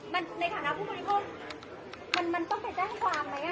มันในฐานะผู้บริโภคมันต้องไปแจ้งความไหม